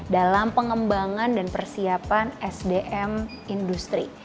dalam pengembangan dan persiapan sdm industri